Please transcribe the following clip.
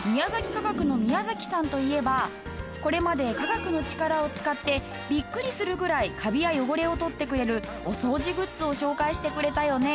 化学の宮さんといえばこれまで化学の力を使ってビックリするぐらいカビや汚れを取ってくれるお掃除グッズを紹介してくれたよね。